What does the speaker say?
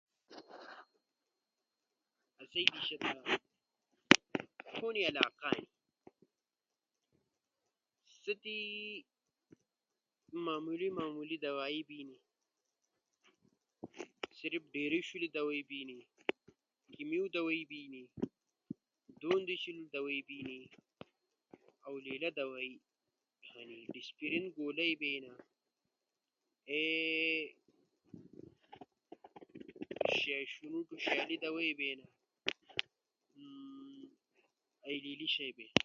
آسئی دیشا تا ݜونی علاقہ ہنی سا تی معمولی معمولی دوائی بینو، صرف ڈھیری شولے دوائی بینی، کیِمیو دوائی بینی، دون دی شولے دوائی بینی، اؤ لیلا دوائی ہنی، ڈسپرین گولئی بینا، شا شنوٹو شالی دوائی بینا، اینی شیئی بینا۔